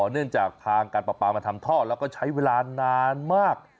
เนื่องจากทางการปลาปลามาทำท่อแล้วก็ใช้เวลานานมาก